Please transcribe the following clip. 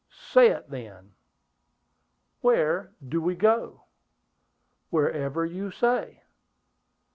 "Say it, then." "Where do we go?" "Wherever you say."